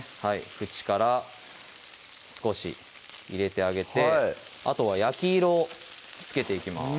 ふちから少し入れてあげてあとは焼き色をつけていきます